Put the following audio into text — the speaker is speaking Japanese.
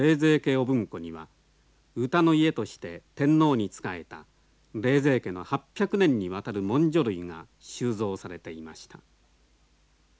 御文庫には歌の家として天皇に仕えた冷泉家の８００年にわたる文書類が収蔵されていました。